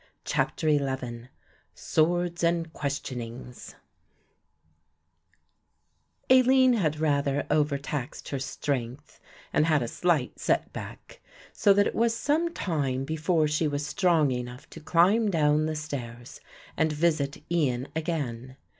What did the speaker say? CHAPTER XI SWORDS AND QUESTIONINGS Aline had rather overtaxed her strength and had a slight set back, so that it was some time before she was strong enough to climb down the stairs and visit Ian again.